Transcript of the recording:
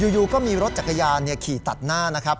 อยู่ก็มีรถจักรยานขี่ตัดหน้านะครับ